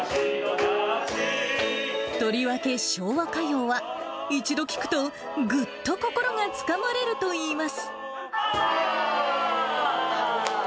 とりわけ昭和歌謡は、一度聴くとぐっと心がつかまれるといいます。